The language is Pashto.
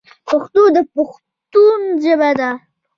پښتو د پښتنو ژبه دو.